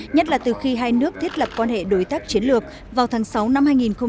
nhất là từ khi hai nước thiết lập quan hệ đối tác chiến lược vào tháng sáu năm hai nghìn một mươi ba